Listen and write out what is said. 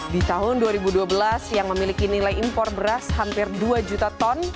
di tahun dua ribu dua belas yang memiliki nilai impor beras hampir dua juta ton